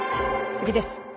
次です。